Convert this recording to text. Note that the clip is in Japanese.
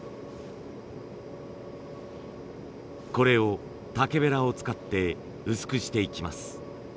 これを竹べらを使って薄くしていきます。